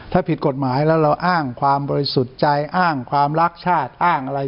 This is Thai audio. ถ้าผิดกฎหมายแล้วเราอ้างความบริสุทธิ์ใจอ้างความรักชาติอ้างอะไร